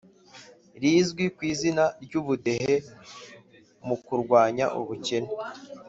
rizwi ku izina ry' "ubudehe mu kurwanya ubukene".